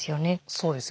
そうですよね。